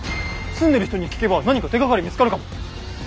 住んでる人に聞けば何か手がかり見つかるかも。